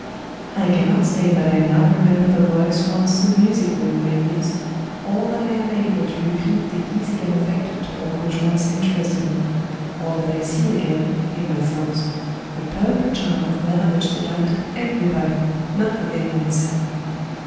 I cannot say that I now remember the voice once so musical in my ears, or that I am able to repeat the easy unaffected talk which once interested me, or that I see again (in my thoughts) the perfect charm of manner which delighted everybody, not forgetting myself.